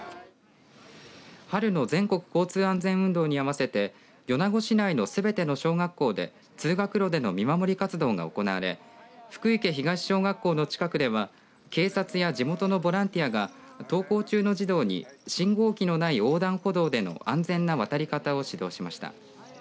春の全国交通安全運動に合わせて米子市内のすべての小学校で通学路での見守り活動が行われ福生東小学校の近くでは警察や地元のボランティアが登校中の児童に信号機のない横断歩道での安全な渡り方を指導しました。